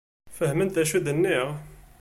Fehment d acu i d-nniɣ?